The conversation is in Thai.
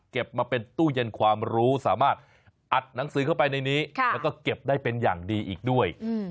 มาเป็นตู้เย็นความรู้สามารถอัดหนังสือเข้าไปในนี้แล้วก็เก็บได้เป็นอย่างดีอีกด้วย